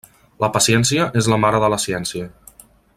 La paciència és la mare de la ciència.